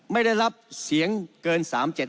ไม่ได้รับเสียงเกิน๓๗